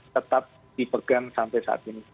tetap dipegang sampai saat ini